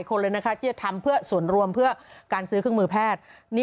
คนเลยนะคะที่จะทำเพื่อส่วนรวมเพื่อการซื้อเครื่องมือแพทย์